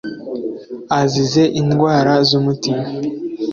azize indwara z'umutima